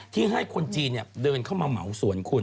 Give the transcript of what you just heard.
ให้คนจีนเดินเข้ามาเหมาสวนคุณ